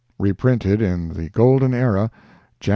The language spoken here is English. [reprinted in the Golden Era, JAN.